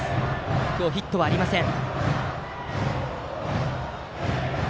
今日、ヒットはありません。